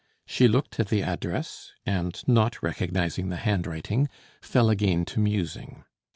She looked at the address, and not recognizing the handwriting, fell again to musing.